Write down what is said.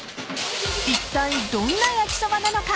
［いったいどんな焼きそばなのか］